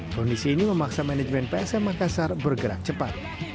kondisi ini memaksa manajemen psm makassar bergerak cepat